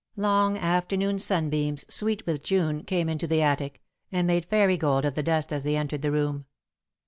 Long afternoon sunbeams, sweet with June, came into the attic, and made fairy gold of the dust as they entered the room.